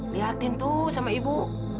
liatin tuh sama ibu